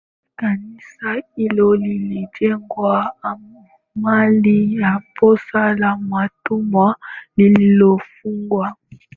Kanisa hilo lilijengwa mahali pa soko la watumwa lililofungwa